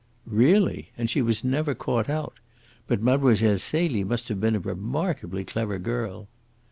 "Really! And she was never caught out! But Mlle. Celie must have been a remarkably clever girl."